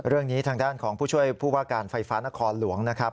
เรื่องนี้ทางด้านของผู้ช่วยผู้ว่าการไฟฟ้านครหลวงนะครับ